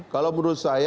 kalau menurut saya